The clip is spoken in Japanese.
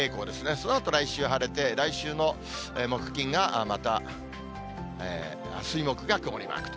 そのあと来週晴れて、来週の木、金が、また、水、木が曇りマークと。